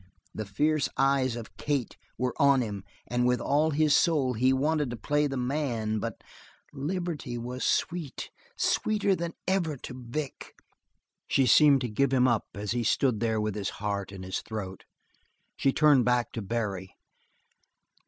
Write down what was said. The fierce eyes of Kate were on him and with all his soul he wanted to play the man, but liberty was sweet, sweeter than ever to Vic. She seemed to give him up as he stood there with his heart, in his throat; she turned back to Barry.